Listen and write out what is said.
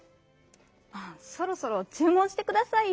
そろそろちゅう文してくださいよ。